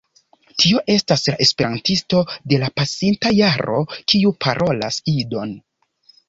Tio estas la Esperantisto de la pasinta jaro, kiu parolas Idon